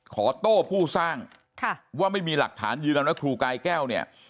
โต้ผู้สร้างว่าไม่มีหลักฐานยืนยันว่าครูกายแก้วเนี่ย